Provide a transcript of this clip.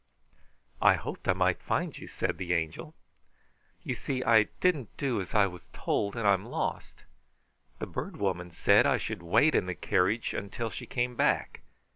"I hoped I might find you," said the Angel. "You see, I didn't do as I was told, and I'm lost. The Bird Woman said I should wait in the carriage until she came back.